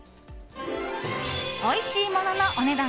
おいしいもののお値段